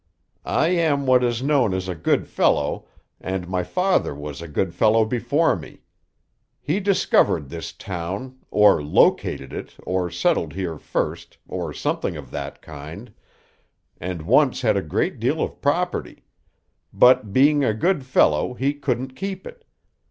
I am what is known as a good fellow, and my father was a good fellow before me. He discovered this town, or located it, or settled here first, or something of that kind, and once had a great deal of property; but, being a good fellow, he couldn't keep it.